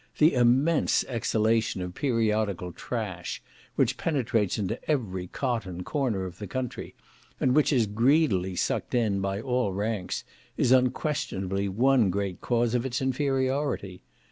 The immense exhalation of periodical trash, which penetrates into every cot and corner of the country, and which is greedily sucked in by all ranks, is unquestionably one great cause of its inferiority.